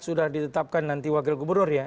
sudah ditetapkan nanti wakil gubernur ya